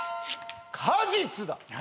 「果実だ」